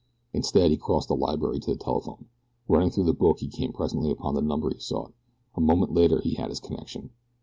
Instead he crossed the library to the telephone. Running through the book he came presently upon the number he sought. A moment later he had his connection.